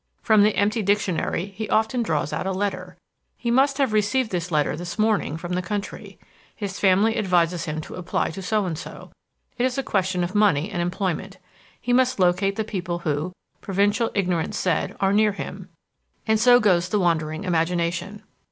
From the empty dictionary he often draws out a letter. He must have received this letter this morning from the country. His family advises him to apply to so and so. It is a question of money and employment. He must locate the people who, provincial ignorance said, are near him. And so goes the wandering imagination.